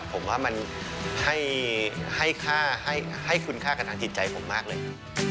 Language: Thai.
ผมว่ามันให้คุณค่ากับทางจิตใจผมมากเลยครับ